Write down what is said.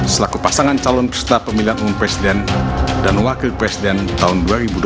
selaku pasangan calon peserta pemilihan umum presiden dan wakil presiden tahun dua ribu dua puluh